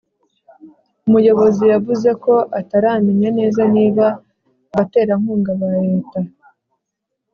Umuyobozi yavuze ko ataramenya neza niba abaterankunga ba Leta